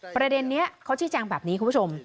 ประเด็นนี้เขาชี้แจงแบบนี้คุณผู้ชม